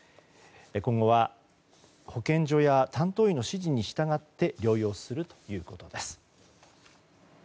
今後は保健所や担当医の指示に従って療養するということです。